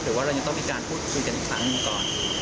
หรือว่าเรายังต้องมีการพูดคุยกันอีกครั้งหนึ่งก่อน